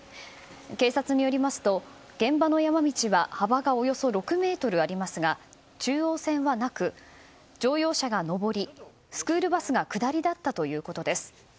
警察によりますと、現場の山道は幅がおよそ６ｍありますが中央線はなく、乗用車が上りスクールバスが下りだったということです。